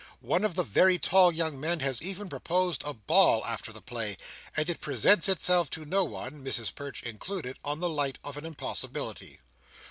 One of the very tall young men has even proposed a ball after the play, and it presents itself to no one (Mrs Perch included) in the light of an impossibility.